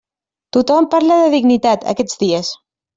Tothom parla de dignitat, aquests dies.